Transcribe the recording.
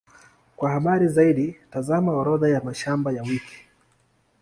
Kwa habari zaidi, tazama Orodha ya mashamba ya wiki.